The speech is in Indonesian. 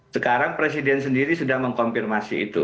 sekarang presiden sendiri sudah mengkonfirmasi itu